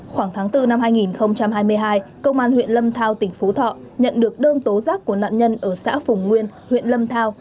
khoảng tháng bốn năm hai nghìn hai mươi hai công an huyện lâm thao tỉnh phú thọ nhận được đơn tố giác của nạn nhân ở xã phùng nguyên huyện lâm thao